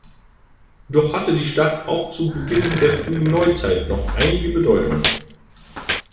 Doch hatte die Stadt auch zu Beginn der frühen Neuzeit noch einige Bedeutung.